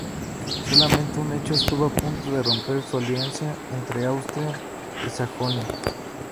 Solamente un hecho estuvo a punto de romper la alianza entre Austria y Sajonia.